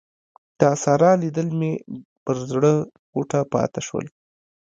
د سارا لیدل مې پر زړه غوټه پاته شول.